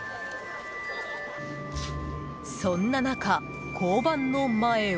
そんな中、交番の前を。